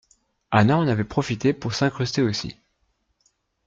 Anna en avait profité pour s’incruster aussi.